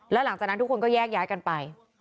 แล้วหลังจากนั้นทุกคนก็แยกย้ายกันไป